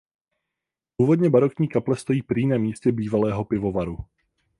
Původně barokní kaple stojí prý na místě bývalého pivovaru.